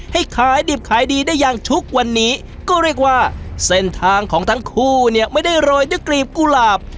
ให้ขายดิบขายดีได้อย่างทุกวันนี้ก็เรียกว่าเส้นทางของทั้งคู่เนี่ยไม่ได้โรยด้วยกลีบกุหลาบ